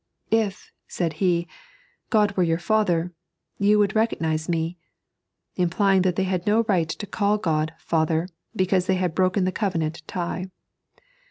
"If," said He, "God were your Father," you would recognise Me — implying that they had no right to call God " Father," because they had broken the covenant tie.